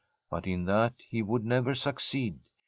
But in that he would never succeed.